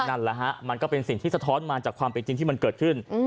นั่นแหละฮะมันก็เป็นสิ่งที่สะท้อนมาจากความเป็นจริงที่มันเกิดขึ้น